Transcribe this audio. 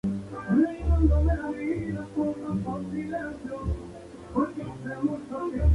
La película fue rodada en la ciudad de Buenos Aires.